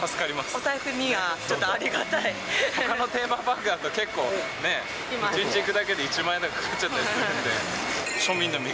お財布にはちょっとありがたほかのテーマパークだと結構、１日行くだけで１万円とかかかっちゃったりするんで。